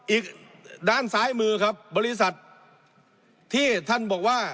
อีกด้านซ้ายมือครับบริษัทที่ท่านบอกว่า